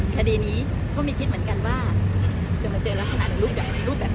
คดีนี้ก็ไม่คิดเหมือนกันว่าจะมาเจอลักษณะรูปแบบนี้